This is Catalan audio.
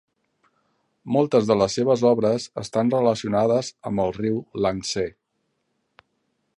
Moltes de les seves obres estan relacionades amb el riu Iang-Tsé.